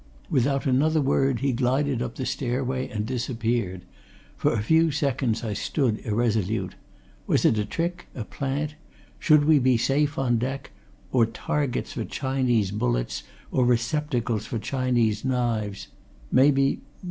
Without another word he glided up the stairway and disappeared. For a few seconds I stood irresolute. Was it a trick, a plant? Should we be safe on deck or targets for Chinese bullets, or receptacles for Chinese knives? Maybe!